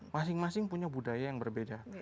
masing masing punya budaya yang berbeda